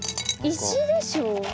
石でしょう。